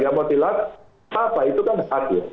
mau dilap apa itu kan hadir